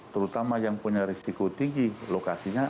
terutama yang punya risiko tinggi lokasinya